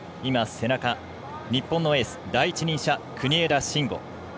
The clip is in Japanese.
日本のエース、第一人者の国枝慎吾。